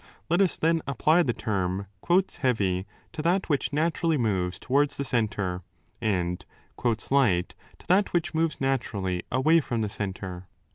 Let us then apply the term 'heavy' to that which naturally moves towards the centre, and 'light' to that which moves naturally away from the centre.